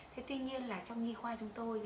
thế tuy nhiên là trong nghi khoa chúng tôi